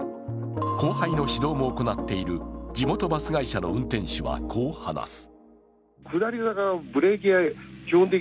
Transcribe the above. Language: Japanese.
後輩の指導も行っている地元バス会社の運転手はこう話す。